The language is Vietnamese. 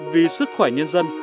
vì sức khỏe nhân dân